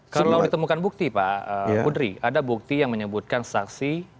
kalau ditemukan bukti pak budri ada bukti yang menyebutkan saksi